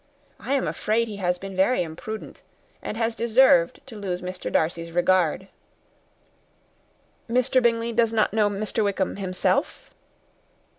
I am afraid he has been very imprudent, and has deserved to lose Mr. Darcy's regard." "Mr. Bingley does not know Mr. Wickham himself."